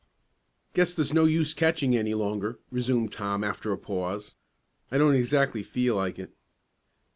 "Guess there's no use catching any longer," resumed Tom after a pause. "I don't exactly feel like it."